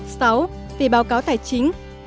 sáu về báo cáo tài chính